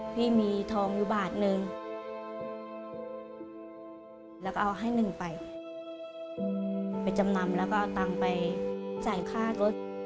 พี่มีทองอยู่บาทหนึ่งแล้วก็เอาให้หนึ่งไปไปจำนำแล้วก็เอาตังค์ไปจ่ายค่ารถ